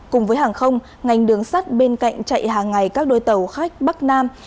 cùng với hàng không ngành đường sắt bên cạnh chạy hàng ngày các đôi tàu khách bắc nam